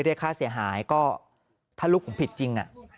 ด้วยค่าเสียหายก็ถ้าลูกผิดจริง